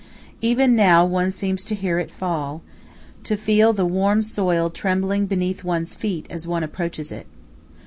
Even now one seems to hear it fall, to feel the warm soil trembling beneath one's feet as one approaches it.